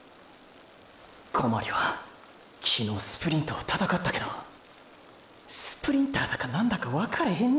小鞠は昨日スプリントを闘ったけどスプリンターだか何だかわかれへんねや。